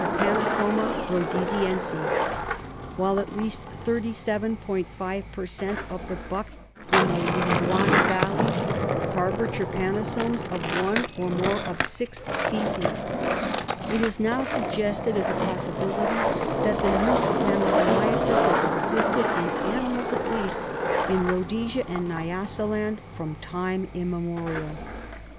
rhodesiense, while at least 37'5 per cent, of the buck in the Luangwa Valley harbour trypanosomes of one or more of six species. It is now suggested as a possibility that the new trypanosomiasis has existed, in animals at least, in Rhodesia and Nyasaland from time immemorial.